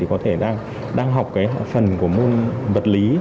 có thể đang học phần của môn vật lý